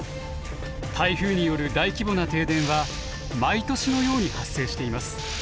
台風による大規模な停電は毎年のように発生しています。